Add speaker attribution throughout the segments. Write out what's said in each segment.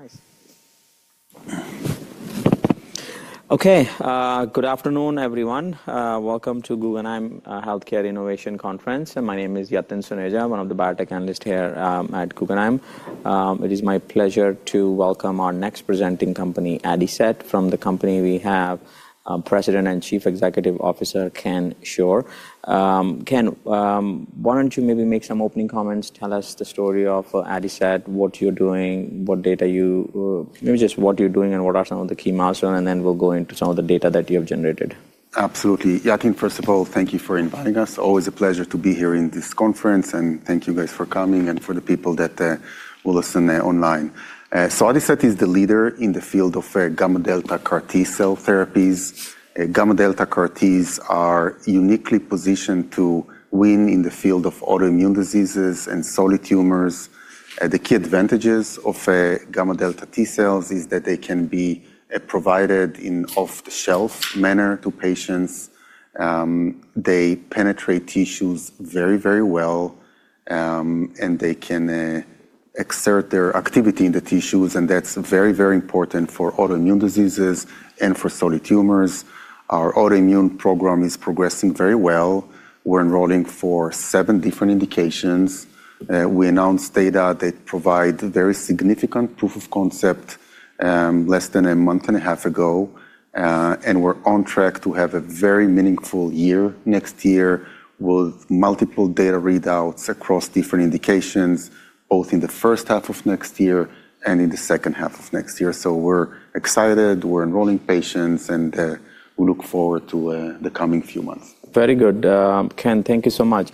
Speaker 1: Nice.
Speaker 2: Okay. Good afternoon, everyone. Welcome to Guggenheim Healthcare Innovation Conference. My name is Yatin Suneja, one of the biotech analysts here at Guggenheim. It is my pleasure to welcome our next presenting company, Adicet. From the company, we have President and Chief Executive Officer Chen Schor. Chen, why don't you maybe make some opening comments? Tell us the story of Adicet, what you're doing, what data you—maybe just what you're doing and what are some of the key milestones, and then we'll go into some of the data that you have generated.
Speaker 3: Absolutely. Yatin, first of all, thank you for inviting us. Always a pleasure to be here in this conference, and thank you guys for coming and for the people that will listen online. Adicet is the leader in the field of gamma delta CAR T cell therapies. Gamma delta CAR Ts are uniquely positioned to win in the field of autoimmune diseases and solid tumors. The key advantages of gamma delta T cells are that they can be provided in an off-the-shelf manner to patients. They penetrate tissues very, very well, and they can exert their activity in the tissues, and that's very, very important for autoimmune diseases and for solid tumors. Our autoimmune program is progressing very well. We're enrolling for seven different indications. We announced data that provide very significant proof of concept less than a month and a half ago, and we're on track to have a very meaningful year next year with multiple data readouts across different indications, both in the first half of next year and in the second half of next year. We are excited. We are enrolling patients, and we look forward to the coming few months.
Speaker 2: Very good. Chen, thank you so much.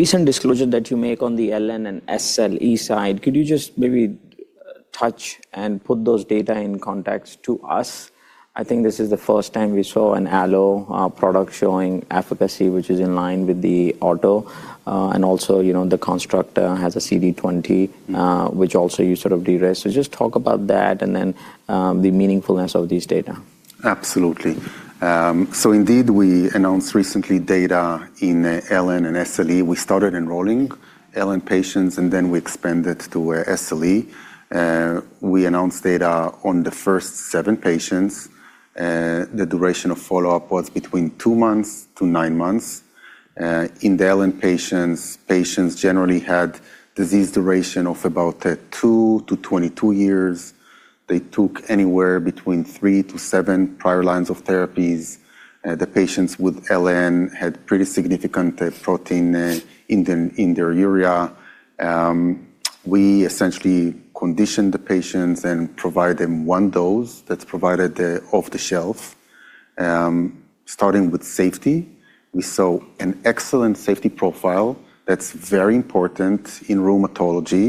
Speaker 2: Recent disclosure that you make on the LN and SLE side, could you just maybe touch and put those data in context to us? I think this is the first time we saw an allo product showing efficacy, which is in line with the auto, and also the construct has a CD20, which also you sort of de-risked. Just talk about that and then the meaningfulness of these data.
Speaker 3: Absolutely. So indeed, we announced recently data in LN and SLE. We started enrolling LN patients, and then we expanded to SLE. We announced data on the first seven patients. The duration of follow-up was between two months to nine months. In the LN patients, patients generally had a disease duration of about 2 to 22 years. They took anywhere between three to seven prior lines of therapies. The patients with LN had pretty significant protein in their urea. We essentially conditioned the patients and provided them one dose that's provided off-the-shelf. Starting with safety, we saw an excellent safety profile that's very important in rheumatology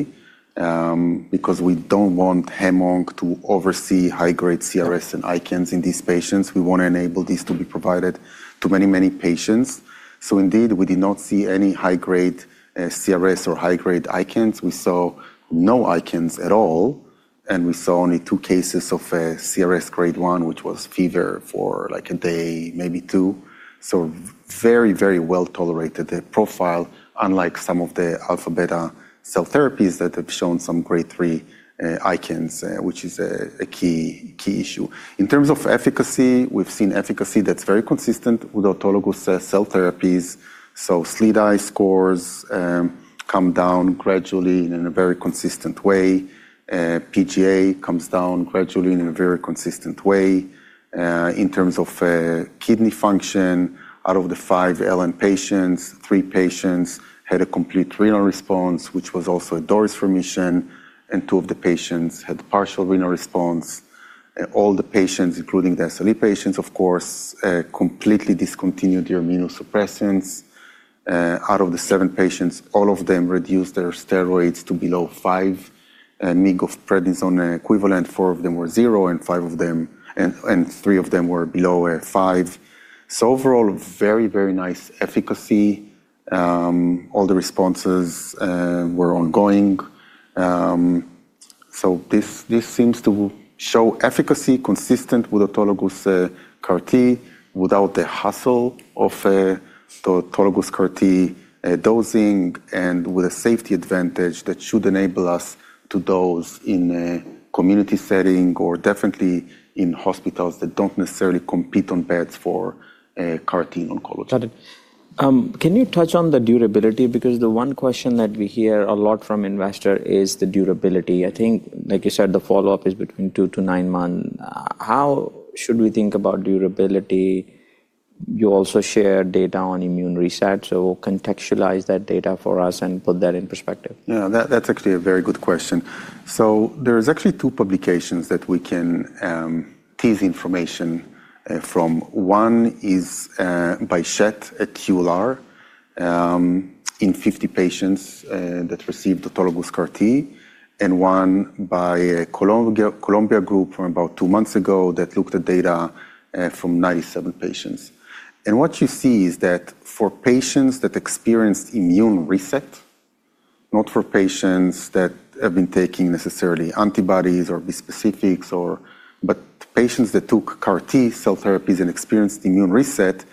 Speaker 3: because we do not want HemOnc to oversee high-grade CRS and ICANS in these patients. We want to enable these to be provided to many, many patients. So indeed, we did not see any high-grade CRS or high-grade ICANS. We saw no ICANS at all, and we saw only two cases of CRS Grade 1, which was fever for like a day, maybe two. Very, very well tolerated profile, unlike some of the alpha beta cell therapies that have shown some Grade 3 ICANS, which is a key issue. In terms of efficacy, we've seen efficacy that's very consistent with autologous cell therapies. SLEDAI scores come down gradually in a very consistent way. PGA comes down gradually in a very consistent way. In terms of kidney function, out of the five LN patients, three patients had a complete renal response, which was also a DORIS remission, and two of the patients had partial renal response. All the patients, including the SLE patients, of course, completely discontinued their immunosuppressants. Out of the seven patients, all of them reduced their steroids to below 5 mg of prednisone equivalent. Four of them were 0, and three of them were below 5. Overall, very, very nice efficacy. All the responses were ongoing. This seems to show efficacy consistent with autologous CAR T without the hustle of the autologous CAR T dosing and with a safety advantage that should enable us to dose in a community setting or definitely in hospitals that do not necessarily compete on beds for CAR T oncology.
Speaker 2: Got it. Can you touch on the durability? Because the one question that we hear a lot from investors is the durability. I think, like you said, the follow-up is between two to nine months. How should we think about durability? You also share data on immune reset. So contextualize that data for us and put that in perspective.
Speaker 3: Yeah, that's actually a very good question. There are actually two publications that we can tease information from. One is by Schet at ULR in 50 patients that received autologous CAR T, and one by a Columbia group from about two months ago that looked at data from 97 patients. What you see is that for patients that experienced immune reset, not for patients that have been taking necessarily antibodies or B-specifics, but patients that took CAR T cell therapies and experienced immune reset,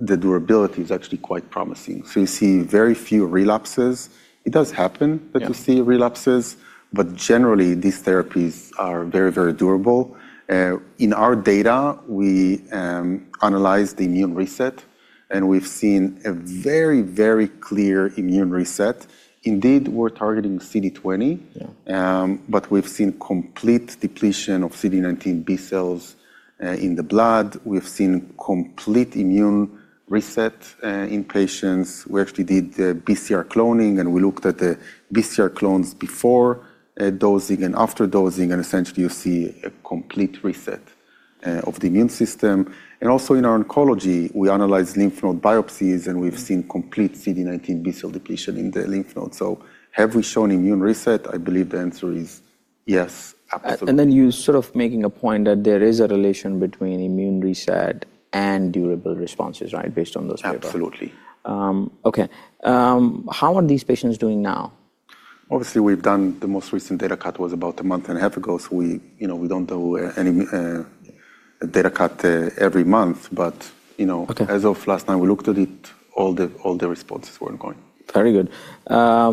Speaker 3: the durability is actually quite promising. You see very few relapses. It does happen that you see relapses, but generally, these therapies are very, very durable. In our data, we analyze the immune reset, and we've seen a very, very clear immune reset. Indeed, we're targeting CD20, but we've seen complete depletion of CD19 B cells in the blood. We've seen complete immune reset in patients. We actually did BCR cloning, and we looked at the BCR clones before dosing and after dosing, and essentially, you see a complete reset of the immune system. Also, in our oncology, we analyze lymph node biopsies, and we've seen complete CD19 B cell depletion in the lymph nodes. Have we shown immune reset? I believe the answer is yes, absolutely.
Speaker 2: You're sort of making a point that there is a relation between immune reset and durable responses, right, based on those data.
Speaker 3: Absolutely.
Speaker 2: Okay. How are these patients doing now?
Speaker 3: Obviously, we've done the most recent data cut was about a month and a half ago, so we don't do any data cut every month, but as of last time we looked at it, all the responses were ongoing.
Speaker 2: Very good. How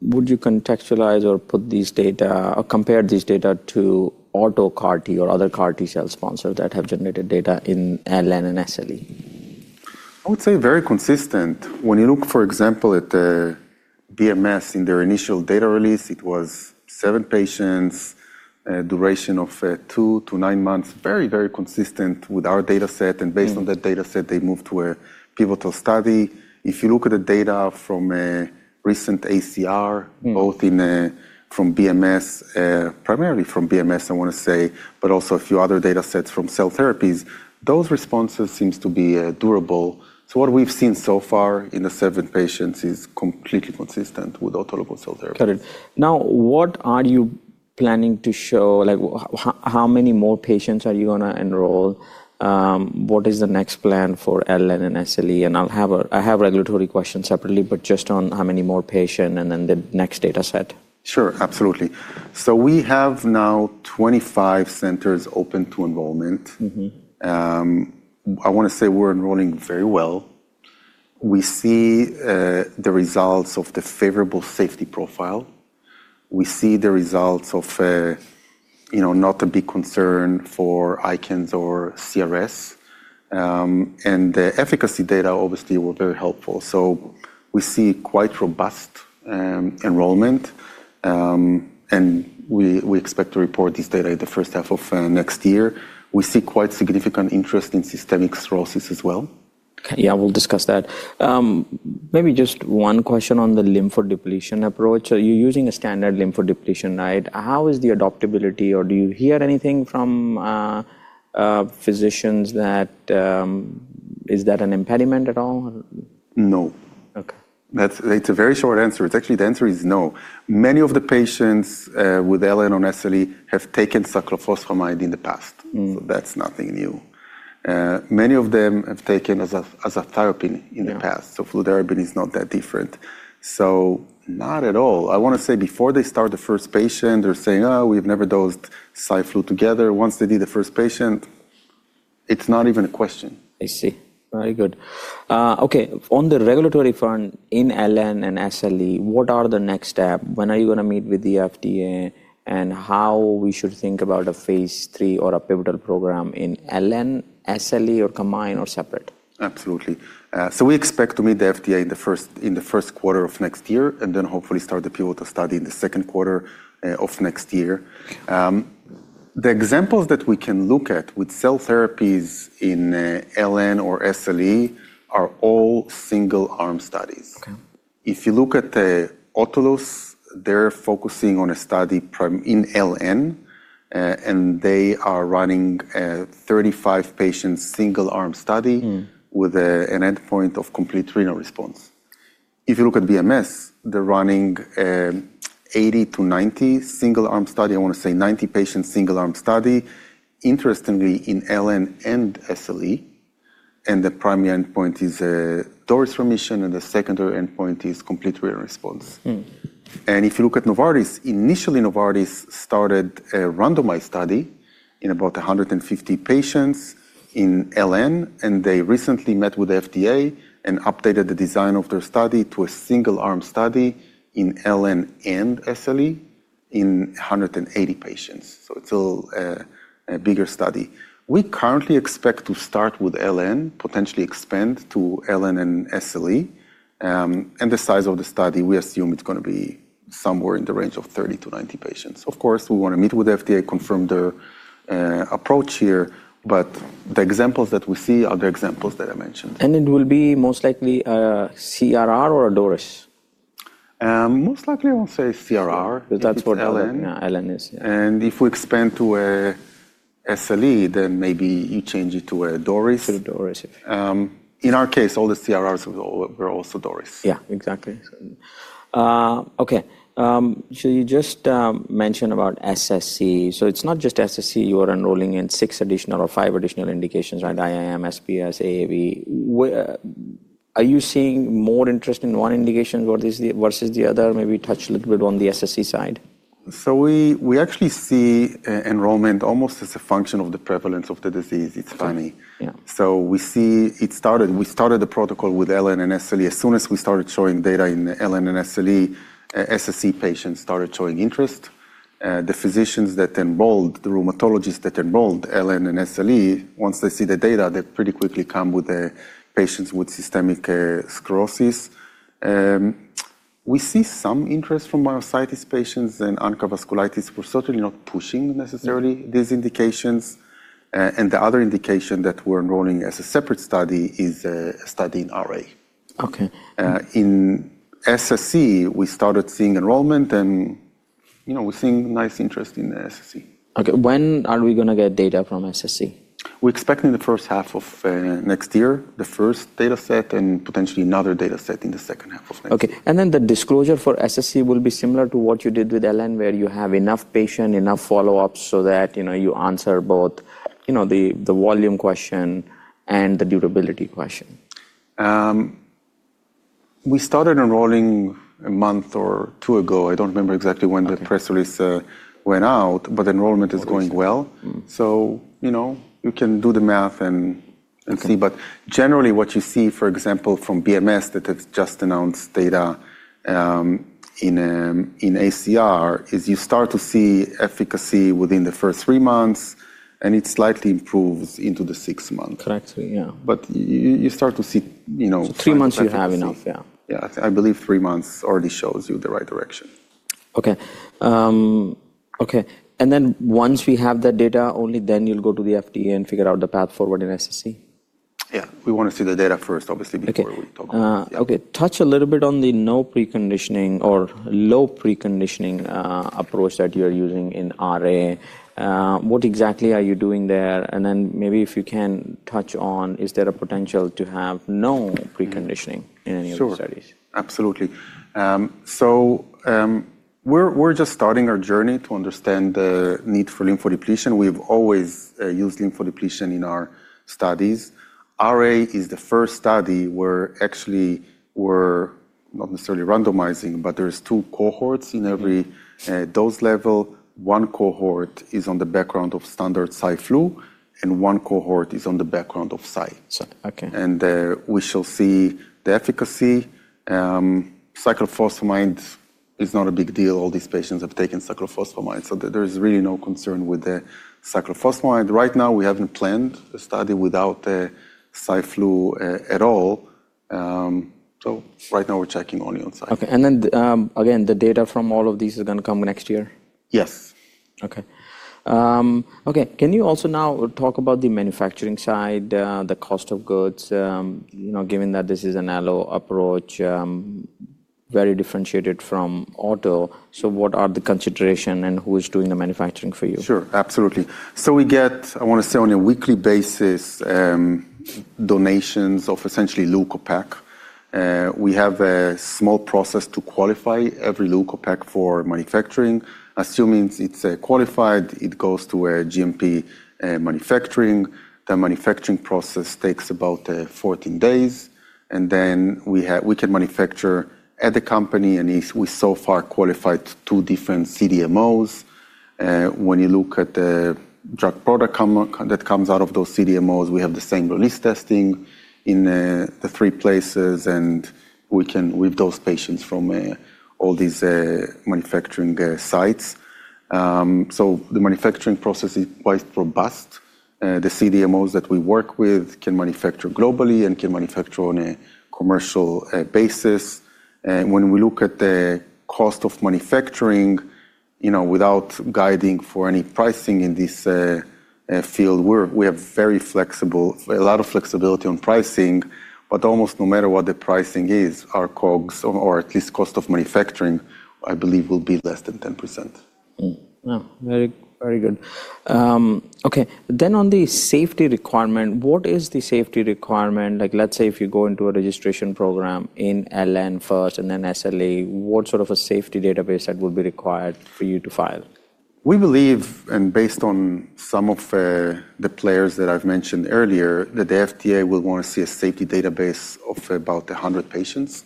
Speaker 2: would you contextualize or compare these data to auto CAR T or other CAR T cell sponsors that have generated data in LN and SLE?
Speaker 3: I would say very consistent. When you look, for example, at BMS in their initial data release, it was seven patients, duration of two to nine months, very, very consistent with our data set. Based on that data set, they moved to a pivotal study. If you look at the data from recent ACR, both from BMS, primarily from BMS, I want to say, but also a few other data sets from cell therapies, those responses seem to be durable. What we've seen so far in the seven patients is completely consistent with autologous cell therapy.
Speaker 2: Got it. Now, what are you planning to show? How many more patients are you going to enroll? What is the next plan for LN and SLE? I have regulatory questions separately, but just on how many more patients and then the next data set.
Speaker 3: Sure, absolutely. We have now 25 centers open to enrollment. I want to say we're enrolling very well. We see the results of the favorable safety profile. We see the results of not a big concern for ICANS or CRS. The efficacy data, obviously, were very helpful. We see quite robust enrollment, and we expect to report this data in the first half of next year. We see quite significant interest in systemic sclerosis as well.
Speaker 2: Okay. Yeah, we'll discuss that. Maybe just one question on the lymphodepletion approach. You're using a standard lymphodepletion, right? How is the adoptability, or do you hear anything from physicians that is that an impediment at all?
Speaker 3: No.
Speaker 2: Okay.
Speaker 3: That's a very short answer. It's actually, the answer is no. Many of the patients with LN or SLE have taken cyclophosphamide in the past. That's nothing new. Many of them have taken azathioprine in the past. Fludarabine is not that different. Not at all. I want to say before they start the first patient, they're saying, "Oh, we've never dosed Syflu together." Once they did the first patient, it's not even a question.
Speaker 2: I see. Very good. Okay. On the regulatory front in LN and SLE, what are the next steps? When are you going to meet with the FDA, and how should we think about a phase III or a pivotal program in LN, SLE, or combined or separate?
Speaker 3: Absolutely. We expect to meet the FDA in the first quarter of next year and then hopefully start the pivotal study in the second quarter of next year. The examples that we can look at with cell therapies in LN or SLE are all single-arm studies. If you look at autologous, they're focusing on a study in LN, and they are running a 35-patient single-arm study with an endpoint of complete renal response. If you look at BMS, they're running an 80-90 single-arm study. I want to say 90-patient single-arm study, interestingly, in LN and SLE, and the primary endpoint is a DORIS remission, and the secondary endpoint is complete renal response. If you look at Novartis, initially, Novartis started a randomized study in about 150 patients in LN, and they recently met with the FDA and updated the design of their study to a single-arm study in LN and SLE in 180 patients. It is a bigger study. We currently expect to start with LN, potentially expand to LN and SLE, and the size of the study, we assume it is going to be somewhere in the range of 30-90 patients. Of course, we want to meet with the FDA, confirm their approach here, but the examples that we see are the examples that I mentioned.
Speaker 2: Will it be most likely a CRR or a DORIS?
Speaker 3: Most likely, I want to say CRR,
Speaker 2: Because that's what LN is.
Speaker 3: And if we expand to SLE, then maybe you change it to a DORIS.
Speaker 2: To a DORIS, yeah.
Speaker 3: In our case, all the CRRs were also DORIS.
Speaker 2: Yeah, exactly. Okay. You just mentioned about SSC. It's not just SSC. You are enrolling in six additional or five additional indications, right? IIM, SPS, AAV. Are you seeing more interest in one indication versus the other? Maybe touch a little bit on the SSC side.
Speaker 3: We actually see enrollment almost as a function of the prevalence of the disease. It's funny. We see it started. We started the protocol with LN and SLE. As soon as we started showing data in LN and SLE, SSC patients started showing interest. The physicians that enrolled, the rheumatologists that enrolled LN and SLE, once they see the data, they pretty quickly come with patients with systemic sclerosis. We see some interest from myositis patients and ANCA vasculitis. We're certainly not pushing necessarily these indications. The other indication that we're enrolling as a separate study is a study in RA.
Speaker 2: Okay.
Speaker 3: In SSC, we started seeing enrollment, and we're seeing nice interest in SSC.
Speaker 2: Okay. When are we going to get data from SSC?
Speaker 3: We expect in the first half of next year, the first data set, and potentially another data set in the second half of next year.
Speaker 2: Okay. The disclosure for SSC will be similar to what you did with LN, where you have enough patients, enough follow-ups so that you answer both the volume question and the durability question.
Speaker 3: We started enrolling a month or two ago. I do not remember exactly when the press release went out, but enrollment is going well. You can do the math and see. Generally, what you see, for example, from BMS that has just announced data in ACR is you start to see efficacy within the first three months, and it slightly improves into the sixth month.
Speaker 2: Correctly, yeah.
Speaker 3: You start to see.
Speaker 2: Three months, you have enough, yeah.
Speaker 3: Yeah, I believe three months already shows you the right direction.
Speaker 2: Okay. Okay. And then once we have the data, only then you'll go to the FDA and figure out the path forward in SSC?
Speaker 3: Yeah. We want to see the data first, obviously, before we talk about it.
Speaker 2: Okay. Touch a little bit on the no preconditioning or low preconditioning approach that you're using in RA. What exactly are you doing there? And then maybe if you can touch on, is there a potential to have no preconditioning in any of the studies?
Speaker 3: Sure. Absolutely. We're just starting our journey to understand the need for lymphodepletion. We've always used lymphodepletion in our studies. RA is the first study where actually we're not necessarily randomizing, but there are two cohorts in every dose level. One cohort is on the background of standard Syflu, and one cohort is on the background of Sy. We shall see the efficacy. Cyclophosphamide is not a big deal. All these patients have taken cyclophosphamide, so there is really no concern with the cyclophosphamide. Right now, we haven't planned a study without Syflu at all. Right now, we're checking only on Sy.
Speaker 2: Okay. And then again, the data from all of these is going to come next year?
Speaker 3: Yes.
Speaker 2: Okay. Okay. Can you also now talk about the manufacturing side, the cost of goods, given that this is an allo approach, very differentiated from auto? What are the considerations and who is doing the manufacturing for you?
Speaker 3: Sure, absolutely. We get, I want to say, on a weekly basis, donations of essentially Leukopak. We have a small process to qualify every Leukopak for manufacturing. Assuming it's qualified, it goes to a GMP manufacturing. The manufacturing process takes about 14 days. We can manufacture at the company, and we so far qualified two different CDMOs. When you look at the drug product that comes out of those CDMOs, we have the same release testing in the three places, and we've dosed patients from all these manufacturing sites. The manufacturing process is quite robust. The CDMOs that we work with can manufacture globally and can manufacture on a commercial basis. When we look at the cost of manufacturing, without guiding for any pricing in this field, we have a lot of flexibility on pricing, but almost no matter what the pricing is, our COGS, or at least cost of manufacturing, I believe will be less than 10%.
Speaker 2: Wow. Very good. Okay. On the safety requirement, what is the safety requirement? Let's say if you go into a registration program in LN first and then SLE, what sort of a safety database would be required for you to file?
Speaker 3: We believe, and based on some of the players that I've mentioned earlier, that the FDA will want to see a safety database of about 100 patients.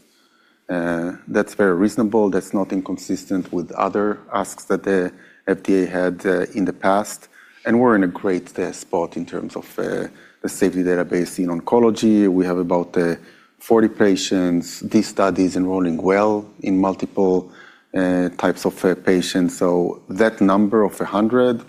Speaker 3: That's very reasonable. That's not inconsistent with other asks that the FDA had in the past. We're in a great spot in terms of the safety database in oncology. We have about 40 patients. These studies are enrolling well in multiple types of patients. That number of 100,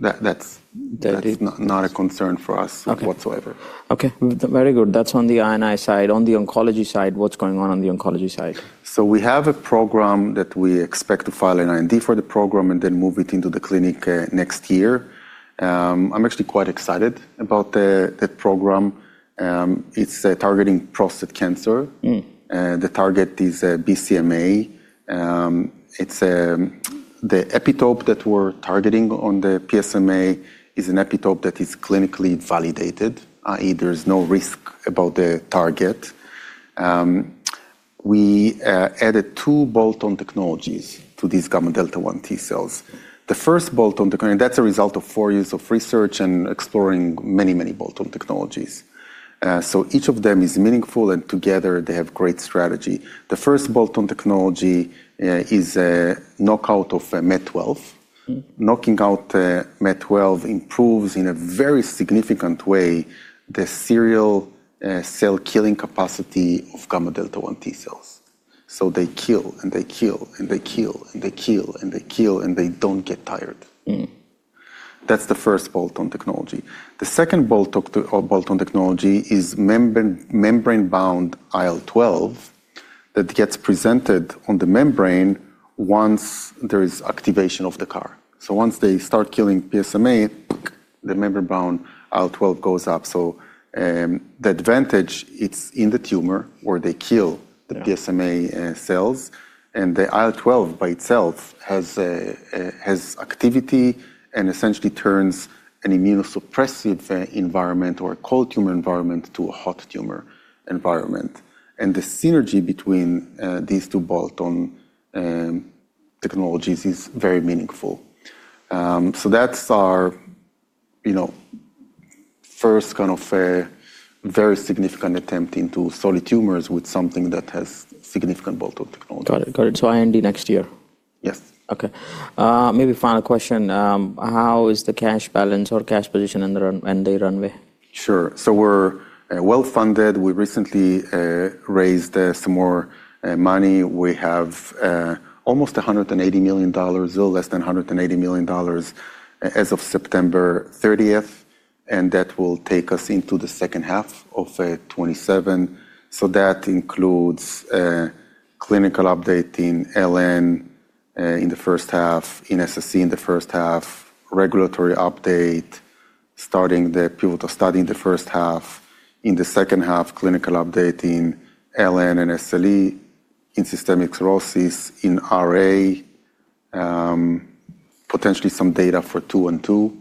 Speaker 3: that's not a concern for us whatsoever.
Speaker 2: Okay. Very good. That's on the INI side. On the oncology side, what's going on on the oncology side?
Speaker 3: We have a program that we expect to file an IND for the program and then move it into the clinic next year. I'm actually quite excited about that program. It's targeting prostate cancer. The target is PSMA. The epitope that we're targeting on the PSMA is an epitope that is clinically validated, i.e., there is no risk about the target. We added two bolt-on technologies to these gamma delta-1 T cells. The first bolt-on technology, that's a result of four years of research and exploring many, many bolt-on technologies. Each of them is meaningful, and together, they have great strategy. The first bolt-on technology is a knockout of MET12. Knocking out MET12 improves in a very significant way the serial cell-killing capacity of gamma delta-1 T cells. They kill, and they kill, and they kill, and they kill, and they kill, and they don't get tired. That's the first bolt-on technology. The second bolt-on technology is membrane-bound IL-12 that gets presented on the membrane once there is activation of the CAR. Once they start killing PSMA, the membrane-bound IL-12 goes up. The advantage is it's in the tumor where they kill the PSMA cells, and the IL-12 by itself has activity and essentially turns an immunosuppressive environment or a cold tumor environment to a hot tumor environment. The synergy between these two bolt-on technologies is very meaningful. That's our first kind of very significant attempt into solid tumors with something that has significant bolt-on technology.
Speaker 2: Got it. Got it. IND next year.
Speaker 3: Yes.
Speaker 2: Okay. Maybe final question. How is the cash balance or cash position and the runway?
Speaker 3: Sure. We're well-funded. We recently raised some more money. We have almost $180 million, a little less than $180 million as of September 30th, and that will take us into the second half of 2027. That includes clinical update in LN in the first half, in SSC in the first half, regulatory update, starting the pivotal study in the first half. In the second half, clinical update in LN and SLE, in systemic sclerosis, in RA, potentially some data for two and two.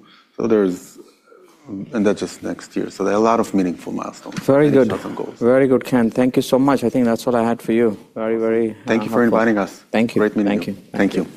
Speaker 3: That's just next year. There are a lot of meaningful milestones.
Speaker 2: Very good. Very good, Chen. Thank you so much. I think that's all I had for you. Very, very helpful.
Speaker 3: Thank you for inviting us.
Speaker 2: Thank you.
Speaker 3: Great meeting you.
Speaker 2: Thank you.
Speaker 3: Thank you.